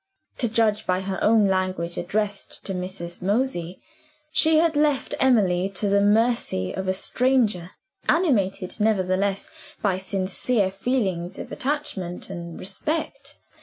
To judge by her own language addressed to Mrs. Mosey, she had left Emily to the mercy of a stranger animated, nevertheless, by sincere feelings of attachment and respect.